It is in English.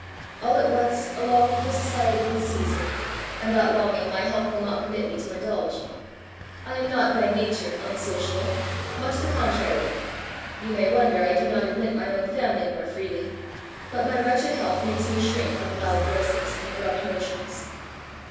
All at once a longing for society will seize me, and that longing my health will not permit me to indulge. I am not by nature unsociable much the contrary. You may wonder I do not admit my own family more freely; but my wretched health makes me shrink from loud voices and abrupt motions."